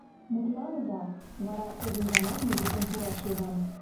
Мутланыза, вара когыньдамат мый декем пураш йодам.